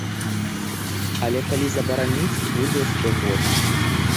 Але калі забараніць, будзе яшчэ горш.